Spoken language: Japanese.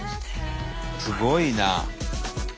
すごいな。